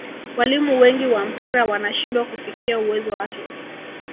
walimu wengi wa mpira wanashindwa kufikia uwezo wake